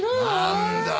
何だ。